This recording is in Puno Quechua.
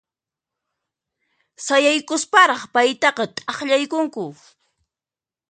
Sayaykusparaq paytaqa t'aqllaykunku.